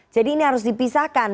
jadi ini harus dipisahkan